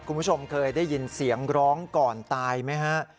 คุณผู้ชมเคยได้ยินเสียงร้องก่อนตายไหมฮะ